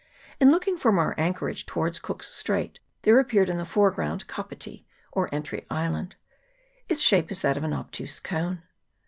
In looking from our anchorage towards Cook's Straits, there appeared in the fore ground Kapiti, or Entry Island : its shape is that of an obtuse cone.